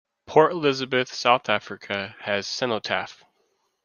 Port Elizabeth, South Africa, has a cenotaph.